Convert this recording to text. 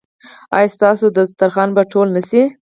ایا ستاسو دسترخوان به ټول نه شي؟